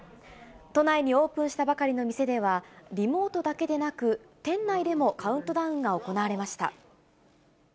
都内にオープンしたばかりの店では、リモートだけでなく、店内でもカウントダウンが行われました。